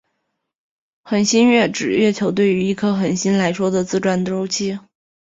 恒星月是指月球对于一颗恒星来说的自转周期。